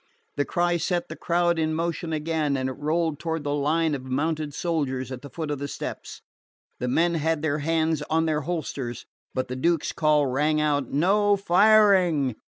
The cry set the crowd in motion again, and it rolled toward the line of mounted soldiers at the foot of the steps. The men had their hands on their holsters; but the Duke's call rang out: "No firing!"